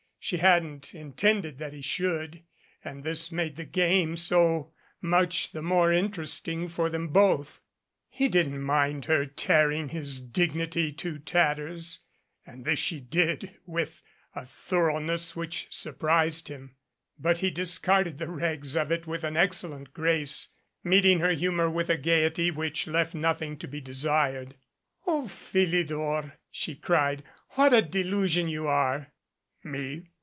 She hadn't intended that he should, and this made the game so much the m$are interesting for them both. He didn't mind her tearing his dignity to tatters and this she did with a thoroughness which surprised him, but he discarded the rags of it with an excellent grace, meeting 154 DANGER her humor with a gayety which left nothing to be desired. "O Philidor !" she cried. "What a delusion you are !" "Me?